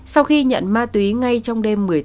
sau khi nhận ma túy ngay trong đêm